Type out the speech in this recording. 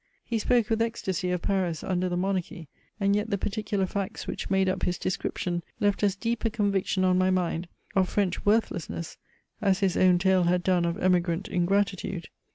He spoke with ecstasy of Paris under the Monarchy: and yet the particular facts, which made up his description, left as deep a conviction on my mind, of French worthlessness, as his own tale had done of emigrant ingratitude.